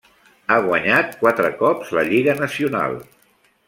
Ha guanyat quatre cops la lliga nacional.